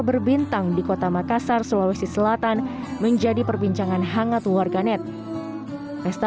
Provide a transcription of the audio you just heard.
berbintang di kota makassar sulawesi selatan menjadi perbincangan hangat warganet pesta